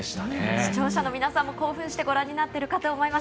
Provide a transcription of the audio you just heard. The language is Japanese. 視聴者の皆さんも興奮してご覧になっているかと思います。